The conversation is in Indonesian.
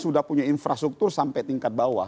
sudah punya infrastruktur sampai tingkat bawah